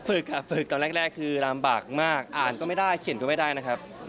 ฝึกตอนแรกคือลำบากมากอ่านก็ไม่ได้เขียนก็ไม่ได้นะครับ